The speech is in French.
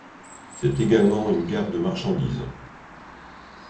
C'est également une gare marchandises.